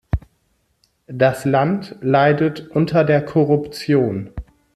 Das Land leidet unter der Korruption.